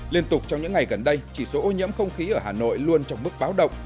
liên tục trong những ngày gần đây chỉ số ô nhiễm không khí ở hà nội luôn trong mức báo động